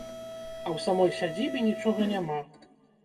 А ў самой сядзібе нічога няма.